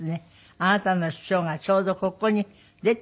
あなたの師匠がちょうどここに出ていらっしゃるんですよ。